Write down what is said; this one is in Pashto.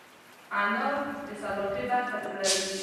انار د سلاتې برخه جوړوي.